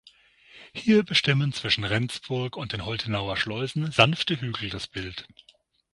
Hier bestimmen zwischen Rendsburg und den Holtenauer Schleusen sanfte Hügel das Bild.